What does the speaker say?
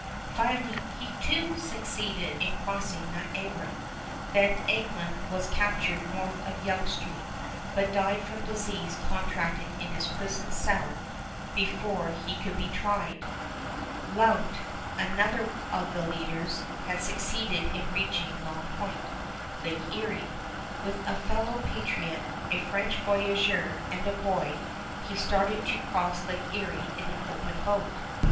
Finally he too succeeded in crossing Niagara. Van Egmond was captured north of Yonge Street, but died from disease contracted in his prison cell before he could be tried. Lount, another of the leaders, had succeeded in reaching Long Point, Lake Erie. With a fellow patriot, a French voyageur, and a boy, he started to cross Lake Erie in an open boat.